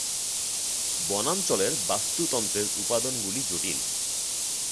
বনাঞ্চলের বাস্তুতন্ত্রের উপাদানগুলি জটিল।